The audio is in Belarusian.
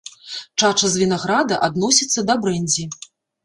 Чача з вінаграда адносіцца да брэндзі.